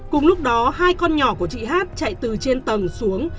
cùng lúc đó hai con nhỏ của chị hát chạy từ trên tầng xuống